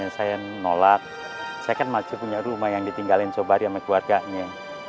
saya masih punya rumah yang ditinggalin sobari sama keluarganya